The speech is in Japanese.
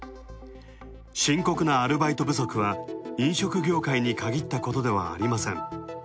深刻なアルバイト不足は飲食業界にかぎったことではありません。